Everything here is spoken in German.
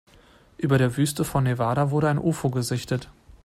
Über der Wüste von Nevada wurde ein Ufo gesichtet.